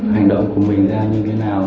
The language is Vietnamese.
hành động của mình ra như thế nào